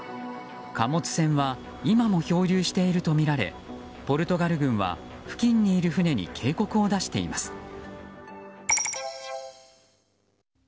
貨物船は今も漂流しているとみられポルトガル軍は付近にいる船に警告を出しています。